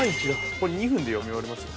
これ２分で読み終わりますよ。